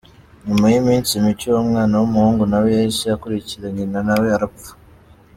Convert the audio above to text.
Nyuma y’ iminsi mike uwo mwana w’ umuhungu nawe yahise akurikira nyina nawe arapfa.